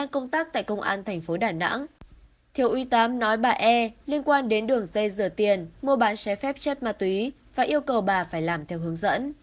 các bạn sẽ phép chất ma túy và yêu cầu bà phải làm theo hướng dẫn